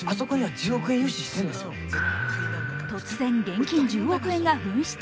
突然、現金１０億円が紛失。